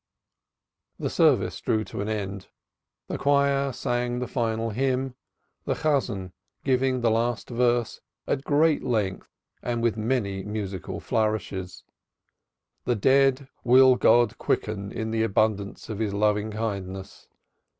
The service drew to an end. The choir sang the final hymn, the Chasan giving the last verse at great length and with many musical flourishes. "The dead will God quicken in the abundance of His loving kindness.